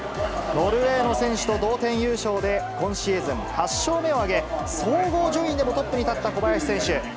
ノルウェーの選手と同点優勝で、今シーズン８勝目を挙げ、総合順位でもトップに立った小林選手。